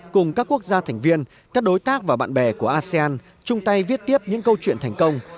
cùng các quốc gia thành viên các đối tác và bạn bè của asean chung tay viết tiếp những câu chuyện thành công